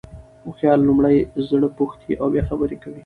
هوښیار لومړی زړه پوښتي او بیا خبري کوي.